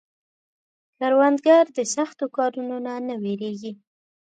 کروندګر د سخت کارونو نه نه وېرېږي